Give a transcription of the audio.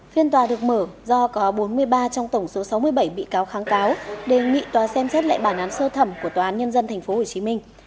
phiên tòa được mở do có bốn mươi ba trong tổng số sáu mươi bảy bị cáo kháng cáo đề nghị tòa xem xét lại bản án sơ thẩm của tòa án nhân dân tp hcm